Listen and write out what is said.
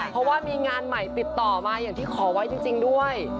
เพราะว่ามีงานใหม่ติดต่อมาอย่างที่ขอไว้จริงด้วย